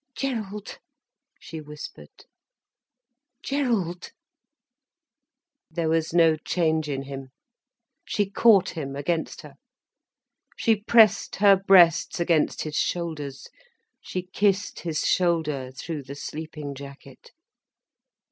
"Gerald," she whispered. "Gerald." There was no change in him. She caught him against her. She pressed her breasts against his shoulders, she kissed his shoulder, through the sleeping jacket.